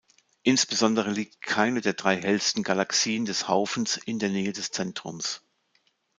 Insbesondere liegt keine der drei hellsten Galaxien des Haufens in der Nähe des Zentrums.